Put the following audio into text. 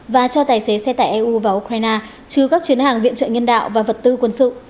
và cho tài xế xe tải eu vào ukraine chứ các chuyến hàng viện trợ nhân đạo và vật tư quân sự